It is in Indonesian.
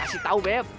kasih tau beb